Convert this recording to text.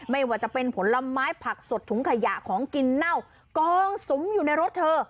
ไม่ว่าจะเป็นผลไม้ผักสดถุงขยะของกินเน่ากองสุมอยู่ในรถเธอ